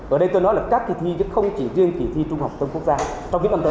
ở đây tôi nói là các kỳ thi chứ không chỉ riêng kỳ thi trung học thông quốc gia trong những năm tới